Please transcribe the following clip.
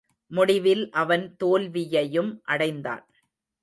முடிவில் அவன் தோல்வியையும் அடைந்தான்.